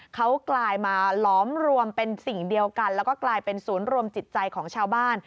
เขากลายมาหลอมรวมเป็นสิ่งเดียวกันแล้วก็กลายเป็นศูนย์รวมจิตใจของชาวบ้าน